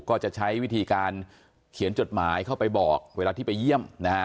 ก็จะใช้วิธีการเขียนจดหมายเข้าไปบอกเวลาที่ไปเยี่ยมนะฮะ